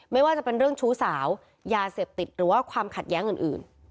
ไม่ว่าจะเป็นเรื่องชู้สาวยาเสพติดหรือว่าความขัดแย้งอื่น